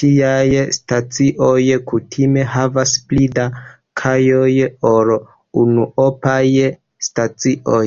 Tiaj stacioj kutime havas pli da kajoj ol unuopaj stacioj.